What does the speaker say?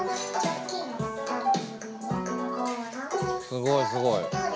すごいすごい。